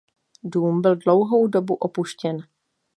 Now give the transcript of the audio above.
Dům byl dlouhou dobu opuštěn.